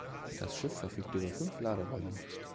Das Schiff verfügte über fünf Laderäume.